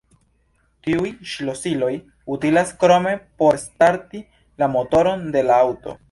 Tiuj ŝlosiloj utilas krome por starti la motoron de la aŭto.